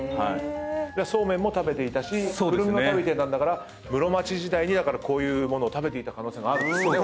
そうめんも食べていたしクルミも食べていたんだから室町時代にこういう物を食べていた可能性があると。